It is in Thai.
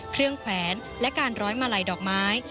เครื่องแขวนและการร้อยมาลัยดอกไม้